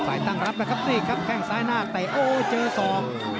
ใครตั้งรับแล้วครับนี่ครับแค่งซ้ายหน้าแต่โอ้โหเจอสอง